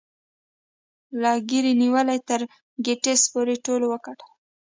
له ګيري نیولې تر ګیټس پورې ټولو وګټل